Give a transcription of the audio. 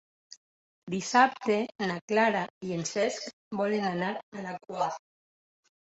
Dissabte na Clara i en Cesc volen anar a la Quar.